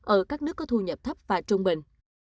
ở các nước có thu nhập thấp và trung bình